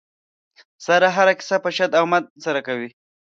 ساره هره کیسه په شد او مد سره کوي.